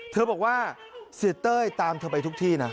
เธอบอกว่าเสียเต้ยตามเธอไปทุกที่นะ